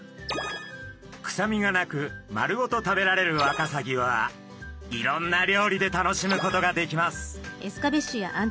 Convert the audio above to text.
臭みがなく丸ごと食べられるワカサギはいろんな料理で楽しむことができます。